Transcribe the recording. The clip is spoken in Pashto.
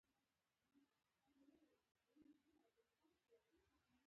ډېر هنري اثار ایښي وو او فریدګل بخارۍ ته نږدې و